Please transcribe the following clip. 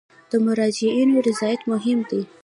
د مراجعینو رضایت مهم دی